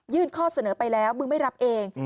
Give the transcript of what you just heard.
ข้อเสนอไปแล้วมึงไม่รับเอง